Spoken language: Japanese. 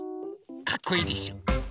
かっこいいでしょ！